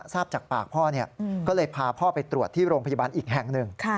ทราบจากปากพ่อก็เลยพาพ่อไปตรวจที่โรงพยาบาลอีกแห่งหนึ่ง